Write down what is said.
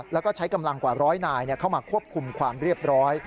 แล้วก็ใช้กำลังกว่าร้อยนายเข้ามาควบคุมความเรียบร้อย